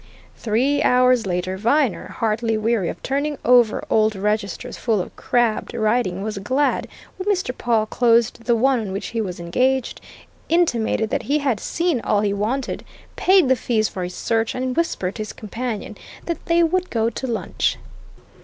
Three hours later Viner, heartily weary of turning over old registers full of crabbed writing, was glad when Mr. Pawle closed the one on which he was engaged, intimated that he had seen all he wanted, paid the fees for his search, and whispered to his companion that they would go to lunch.